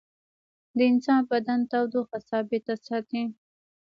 د انسان بدن تودوخه ثابته ساتي